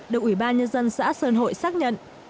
được ủy ban nhân dân xã sơn hội xác nhận